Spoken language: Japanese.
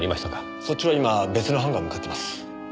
そっちは今別の班が向かってます。